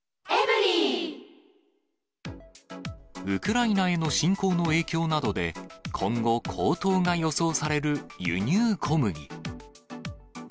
ウクライナへの侵攻の影響などで、今後、高騰が予想される輸入小麦。